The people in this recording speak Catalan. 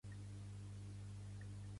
Pertany al moviment independentista el Manel?